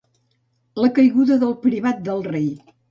La caiguda del privat del rei.